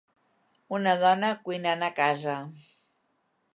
Una dona cuinant a casa.